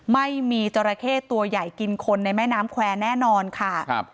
ไม่มีจราเข้ตัวใหญ่กินคนในแม่น้ำแควร์แน่นอนค่ะครับ